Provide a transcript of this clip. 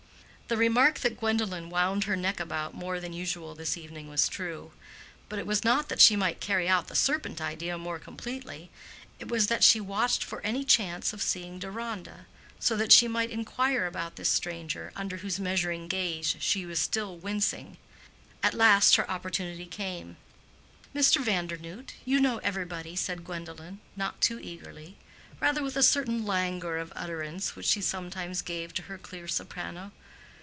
The remark that Gwendolen wound her neck about more than usual this evening was true. But it was not that she might carry out the serpent idea more completely: it was that she watched for any chance of seeing Deronda, so that she might inquire about this stranger, under whose measuring gaze she was still wincing. At last her opportunity came. "Mr. Vandernoodt, you know everybody," said Gwendolen, not too eagerly, rather with a certain languor of utterance which she sometimes gave to her clear soprano.